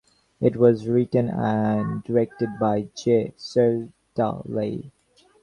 It was written and directed by J. Searle Dawley.